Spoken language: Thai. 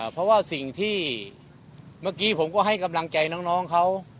เพราะว่าสิ่งที่เมื่อกี้ผมก็ให้กำลังใจน้องเขา